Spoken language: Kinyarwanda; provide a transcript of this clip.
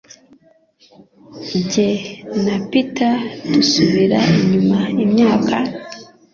Jye na Peter dusubira inyuma imyaka